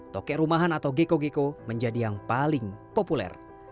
tokek rumahan atau geko geko menjadi yang paling populer